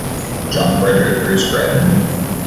John Frederick Bruce Gretton.